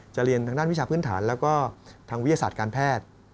เรียนทางด้านวิชาพื้นฐานแล้วก็ทางวิทยาศาสตร์การแพทย์